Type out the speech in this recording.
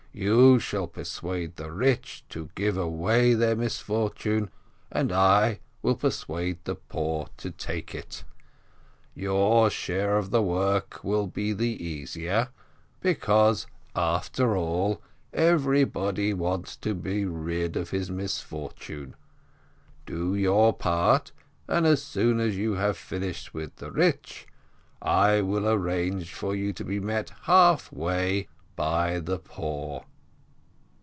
You shall persuade the rich to give away their misfortune, and I will persuade the poor to take it ! Your share of the work will be the easier, because, after all, everybody wants to be rid of his misfortune. Do your part, and as soon as you have finished with the rich, I will arrange for you to be met half way by the poor.